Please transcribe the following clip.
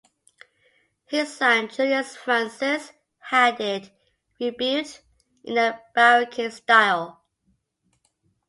His son Julius Francis had it rebuilt in a Baroque style.